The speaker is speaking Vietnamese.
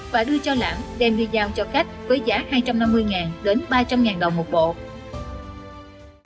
và đưa cho lãm đem đi giao cho khách với giá hai trăm năm mươi đến ba trăm linh đồng một bộ